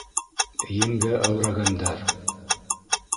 Емгә әүрәгәндәр!